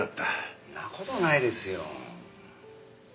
そんな事ないですよ。